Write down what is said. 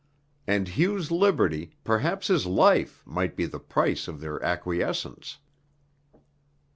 And Hugh's liberty, perhaps his life, might be the price of their acquiescence.